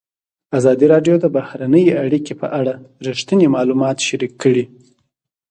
ازادي راډیو د بهرنۍ اړیکې په اړه رښتیني معلومات شریک کړي.